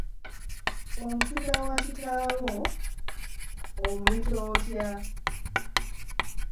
Omusika wa kitaawo, omuyita otya?